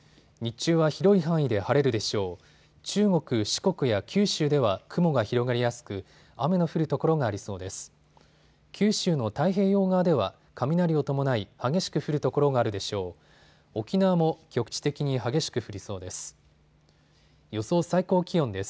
中国、四国や九州では雲が広がりやすく雨の降る所がありそうです。